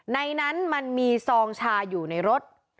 ในนั้นมันมีซองชาอยู่ในรถ